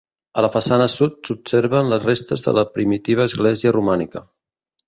A la façana sud s'observen les restes de la primitiva església romànica.